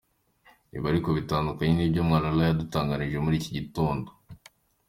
Ibi ariko bitandukanye n’ibyo Mwalala yadutangarije muri iki gitondo.